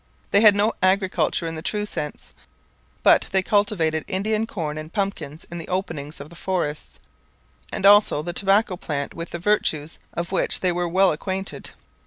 They had no agriculture in the true sense, but they cultivated Indian corn and pumpkins in the openings of the forests, and also the tobacco plant, with the virtues of which they were well acquainted.